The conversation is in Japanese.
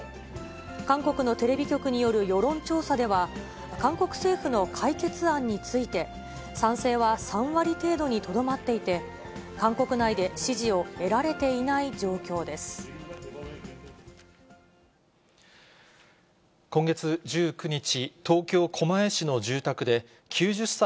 韓国のテレビ局による世論調査では、韓国政府の解決案について、賛成は３割程度にとどまっていて、韓国内で支持を得られていない状況です。